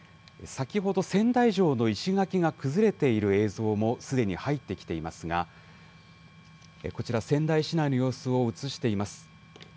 先ほど、仙台城の石垣が崩れている映像もすでに入ってきていますが、こちら、仙台市内の様子を映しています。